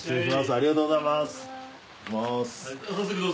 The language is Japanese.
ありがとうございます。